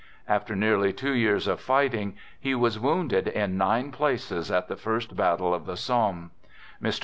After nearly two years of fighting, he was wounded in nine places at the first battle of the Somme. Mr.